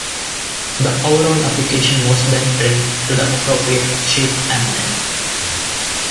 The overall application was then trimmed to the appropriate shape and length.